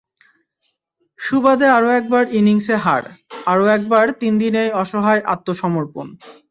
সুবাদে আরও একবার ইনিংসে হার, আরও একবার তিন দিনেই অসহায় আত্মসমর্পণ।